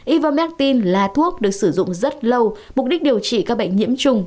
ivamedin là thuốc được sử dụng rất lâu mục đích điều trị các bệnh nhiễm trùng